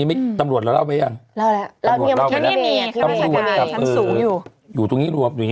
ไม่เคยรอบไปรัง